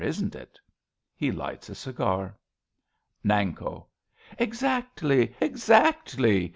Isn't it? {He lights a cigar.) Nanko. Exactly ! Exactly !